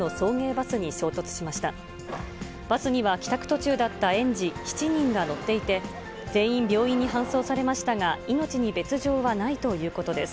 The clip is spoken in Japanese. バスには帰宅途中だった園児７人が乗っていて、全員、病院に搬送されましたが、命に別状はないということです。